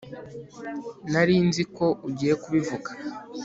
Nari nzi ko ugiye kubivuga